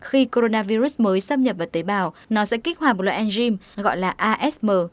khi coronavirus mới xâm nhập vào tế bào nó sẽ kích hoạt một loại enzym gọi là asm